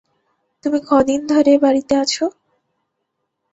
তুমি কদিন ধরে এ বাড়িতে আছ?